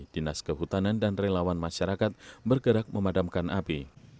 dinas kehutanan dan relawan masyarakat bergerak memadamkan api